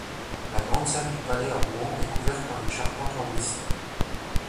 La grande salle du Palais à Rouen est couverte par une charpente lambrissée.